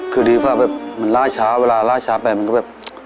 คือดีฝ่าแบบมันล่าช้าเวลาล่าช้าไปมันก็แบบ